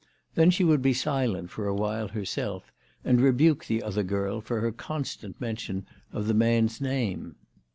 Then she would be silent for awhile herself, and rebuke the other girl for her constant mention of the man's name.